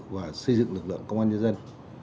và xây dựng lực lượng công an nhân dân